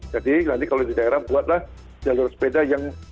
nanti kalau di daerah buatlah jalur sepeda yang